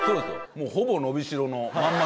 もうほぼ伸びしろのまんま